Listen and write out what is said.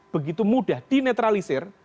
begitu mudah dinetralisir